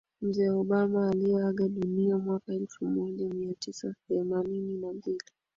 Mzee Obama aliyeaga dunia mwaka elfu moja mia tisa themanini na mbili